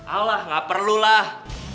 alah gak perlu lah